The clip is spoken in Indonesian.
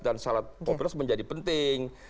dan syarat populer menjadi penting